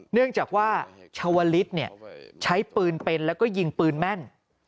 เนื่องจากว่าชาวลิศใช้ปืนเป็นแล้วก็ยิงปืนแม่น